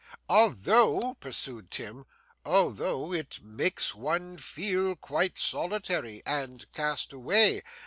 'Although,' pursued Tim 'although it makes one feel quite solitary and cast away.